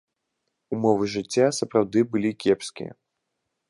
Умовы жыцця сапраўды былі кепскія.